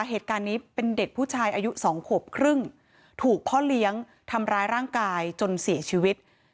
เหตุการณ์นี้เป็นเด็กผู้ชายอายุสองขวบครึ่งถูกพ่อเลี้ยงทำร้ายร่างกายจนเสียชีวิต